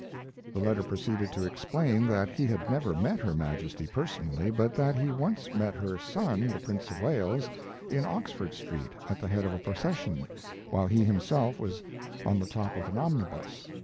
The letter proceeded to explain that he had never met her Majesty personally, but that he once met her son, the Prince of Wales, in Oxford Street, at the head of a procession, while he himself was on the top of an omnibus.